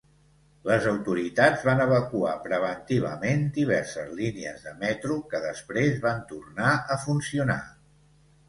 Les autoritats van evacuar preventivament diverses línies de metro, que després van tornar a funcionar.